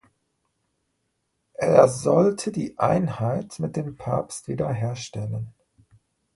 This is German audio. Er sollte die Einheit mit dem Papst wiederherstellen.